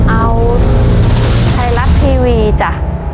เอาไทยรัฐทีวีจ้ะ